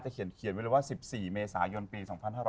จะเขียนว่า๑๔เมษายนปี๒๕๕๘